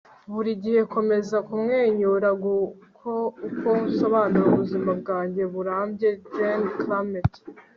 buri gihe komeza kumwenyura. nguko uko nsobanura ubuzima bwanjye burambye. - jeanne calment